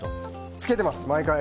つけてます、毎回。